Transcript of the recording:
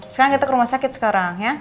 sekarang kita ke rumah sakit sekarang